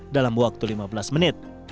dalam waktu lima belas menit